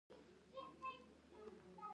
لر او بر پښتانه سره یو دي.